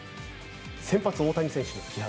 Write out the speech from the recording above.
先発、大谷選手の気迫